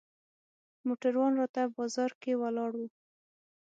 موټروان راته بازار کې ولاړ و.